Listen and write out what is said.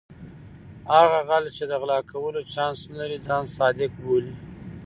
هغه غل چې د غلا کولو چانس نه لري ځان صادق بولي.